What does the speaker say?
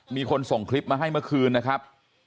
ว่าเอาคลิปมาให้เมื่อคืนนะครับ